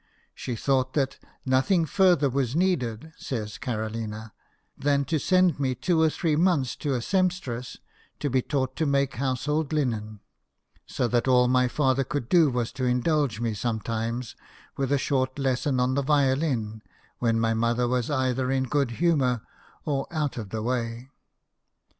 She thought that " nothing further was needed," says Caro lina, " than to send me two or three months to a sempstress to be taught to make household linen ; so all that my father could do was to indulge me sometimes with a short lesson on the violin when my mother was either in good humour or out of the way.